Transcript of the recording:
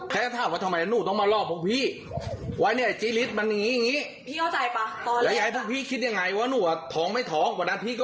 แค่ถามว่าทำไมหนูต้องมารอบพวกพี่ไว้เนี่ยเจ๊ฤทธิมันอย่างนี้อย่างนี้